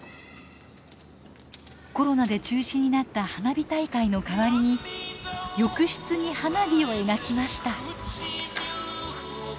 コロナで中止になった花火大会の代わりに浴室に花火を描きました。